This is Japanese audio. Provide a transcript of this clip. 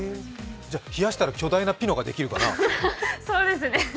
冷やしたら巨大なピノができるかな？